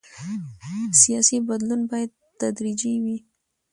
سیاسي بدلون باید تدریجي وي